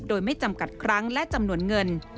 โดยไม่จำกัดครั้งและจำนวนเงิน